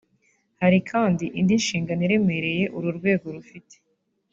Hari kandi indi nshingano iremereye uru rwego rufite